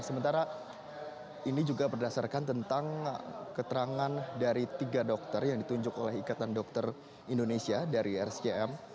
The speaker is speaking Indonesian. sementara ini juga berdasarkan tentang keterangan dari tiga dokter yang ditunjuk oleh ikatan dokter indonesia dari rsjm